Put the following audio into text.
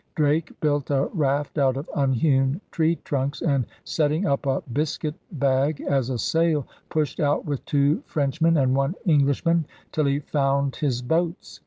Drake built a raft out of unhewn tree trunks and, setting up a biscuit bag as a sail, pushed out with two French men and one Englishman till he found his boats.